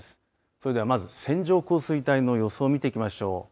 それでは、まず線状降水帯の予想を見ていきましょう。